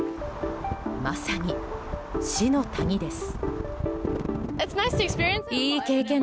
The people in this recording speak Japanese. まさに死の谷です。